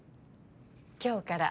今日から。